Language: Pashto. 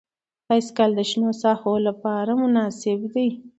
بایسکل د شنو ساحو لپاره مناسب دی.